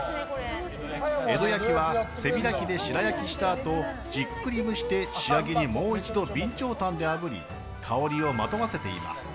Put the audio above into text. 江戸焼きは背開きで白焼きしたあとじっくり蒸して仕上げにもう一度備長炭であぶり香りをまとわせています。